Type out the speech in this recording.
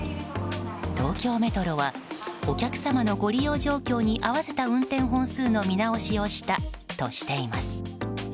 東京メトロはお客様のご利用状況に合わせた運転本数の見直しをしたとしています。